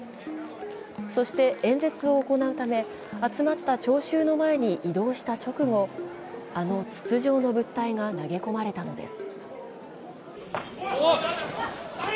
そして演説を行うため集まった聴衆の前に移動した直後あの筒状の物体が投げ込まれたのです。